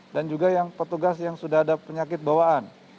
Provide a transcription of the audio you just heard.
dan juga yang petugas yang sudah ada penyakit bawaan